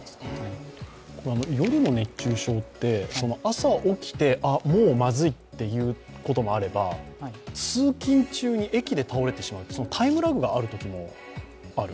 夜の熱中症って朝起きてあっ、もうまずいってこともあれば、通勤中に駅で倒れてしまうというタイムラグがあるときもある。